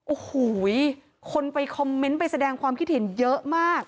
โอ้โหคนไปคอมเมนต์ไปแสดงความคิดเห็นเยอะมาก